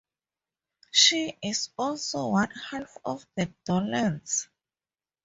She is also one half of The Dolans.